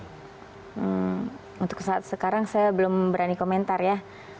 untuk saat sekarang saya belum berani komentar ya